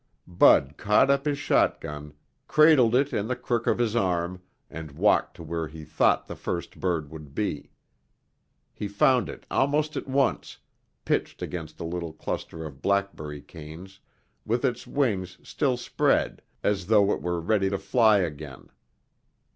Bud caught up his shotgun, cradled it in the crook of his arm, and walked to where he thought the first bird would be. He found it almost at once, pitched against a little cluster of blackberry canes with its wings still spread as though it were ready to fly again.